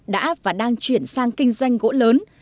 đã và đang chuyển sang kinh doanh gỗ lớn